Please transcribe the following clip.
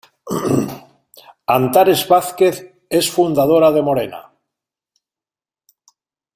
Antares Vázquez es fundadora de Morena.